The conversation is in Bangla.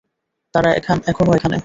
তারা এখনো এখানে।